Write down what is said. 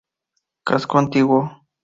Casco antiguo.